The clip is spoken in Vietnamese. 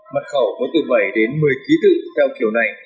mật khẩu có từ bảy đến một mươi ký tự theo kiểu này